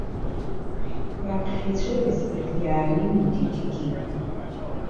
Раԥхьа ицәырызгаз иааимидеит егьи.